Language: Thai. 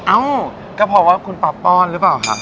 เอ้าก็เพราะว่าคุณป๊อปป้อนหรือเปล่าครับ